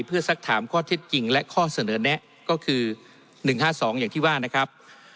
เพื่อสักถามข้อเท็จจริงและข้อเสนอแนะก็คือ๑๕๒อย่างที่ว่านะครับ